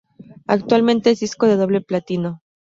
Actualmente es disco de doble platino.